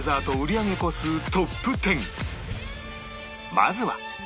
まずは